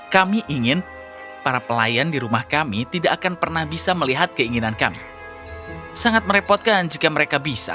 kami ingin para pelayan di rumah kami tidak akan pernah bisa melihat keinginan kami sangat merepotkan jika mereka bisa